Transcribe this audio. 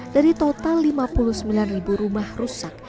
dari total lima puluh sembilan ribu rumah rusak